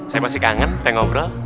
saya masih kangen pengobrol